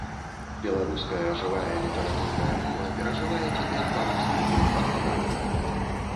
Беларуская жывая літаратурная мова перажывае цяпер пару свайго фармавання.